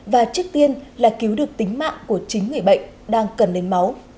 và trước tiên là cứu được tính mạng của chính người bệnh đang cần lên máu